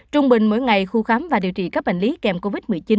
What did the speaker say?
trung bình mỗi ngày khu khám và điều trị các bệnh lý kèm covid một mươi chín